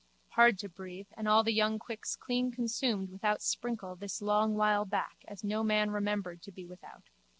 Hard to breathe and all the young quicks clean consumed without sprinkle this long while back as no man remembered to be without.